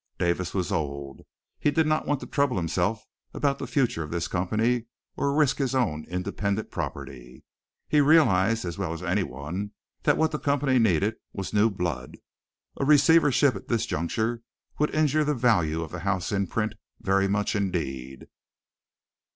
Davis was old. He did not want to trouble himself about the future of this company or risk his own independent property. He realized as well as anyone that what the company needed was new blood. A receivership at this juncture would injure the value of the house imprint very much indeed.